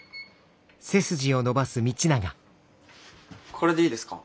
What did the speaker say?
これでいいですか？